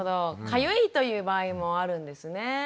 かゆいという場合もあるんですね。